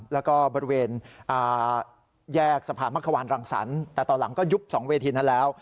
แล้วก็บริเวณแยกสะพานมะขวานรังสรรค์แต่ตอนหลังก็ยุบ๒เวทีนั้นแล้ว